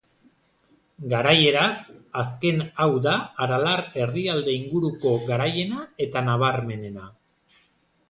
Garaieraz, azken hau da Aralar Erdialde inguruko garaiena eta nabarmenena.